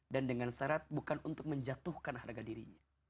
dan dengan syarat bukan untuk menjatuhkan harga dirinya